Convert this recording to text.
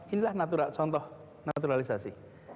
inilah contoh naturalisasi